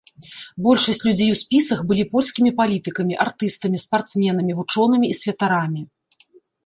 Большасць людзей у спісах былі польскімі палітыкамі, артыстамі, спартсменамі, вучонымі і святарамі.